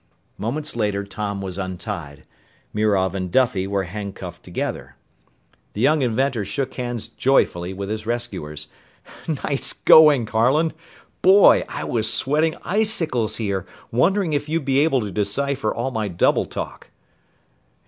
Moments later, Tom was untied. Mirov and Duffy were handcuffed together. The young inventor shook hands joyfully with his rescuers. "Nice going, Harlan! Boy, I was sweating icicles here, wondering if you'd be able to decipher all my double talk!"